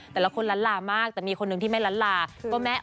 แต่ละคนลัลลามากแต่มีคนนึงที่ไม่ลัลลาก็แม่โอปเองนะแหละค่ะ